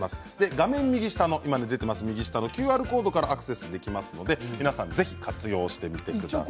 画面右下のＱＲコードからアクセスできますのでぜひ活用してみてください。